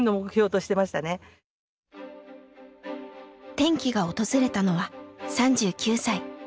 転機が訪れたのは３９歳。